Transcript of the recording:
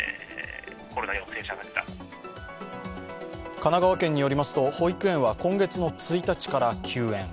神奈川県によりますと今月１日から休園。